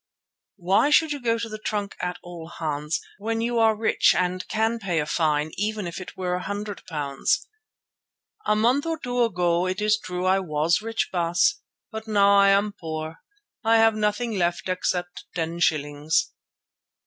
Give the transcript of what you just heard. "Why should you go to the trunk at all, Hans, when you are rich and can pay a fine, even if it were a hundred pounds?" "A month or two ago it is true I was rich, Baas, but now I am poor. I have nothing left except ten shillings."